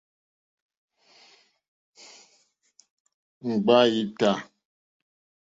Ŋɡbâ í tâ.